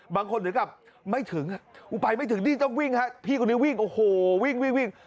บางคนถึงกลับไม่ถึงไปไม่ถึงนี่ต้องวิ่งครับพี่คนนี้วิ่งโอ้โหวิ่งวิ่งวิ่ง